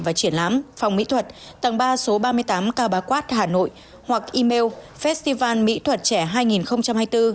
và triển lãm phòng mỹ thuật tầng ba số ba mươi tám k ba quát hà nội hoặc email festivalmỹthuậttrẻ hai nghìn hai mươi bốn